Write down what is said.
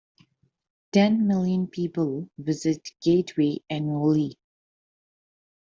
Ten million people visit Gateway annually.